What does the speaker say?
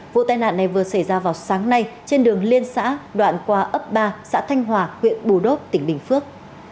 vụ tai nạn này vừa xảy ra vào sáng nay trên đường liên xã đoạn qua ấp ba xã thanh hòa huyện bù đốp tỉnh bình phước